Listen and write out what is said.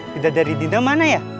tidak dari dinda mana ya